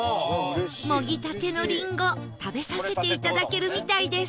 もぎたてのりんご食べさせていただけるみたいです